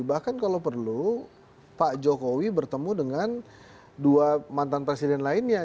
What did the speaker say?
bahkan kalau perlu pak jokowi bertemu dengan dua mantan presiden lainnya